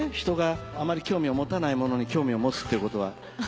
人があまり興味を持たないものに興味を持つっていうことは。